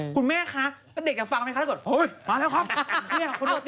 คุณแม่คะเด็กฟังไหมคะถ้าเกิด